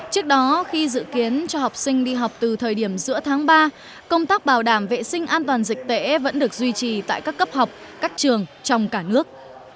trước đó khi dự kiến cho học sinh đi học từ thời điểm giữa tháng ba công tác bảo đảm vệ sinh an toàn dịch tễ vẫn được duy trì tại các cấp học các trường trong cả nước